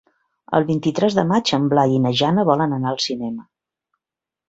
El vint-i-tres de maig en Blai i na Jana volen anar al cinema.